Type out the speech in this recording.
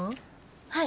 はい。